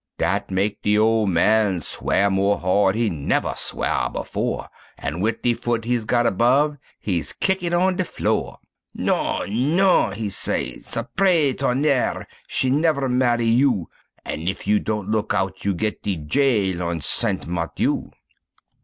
Dat mak' de ole man swear more hard he never swear before, An' wit' de foot he's got above, he's kick it on de floor, "Non, non," he say "Sapré tonnerre! she never marry you, An' if you don't look out you get de jail on St. Mathieu."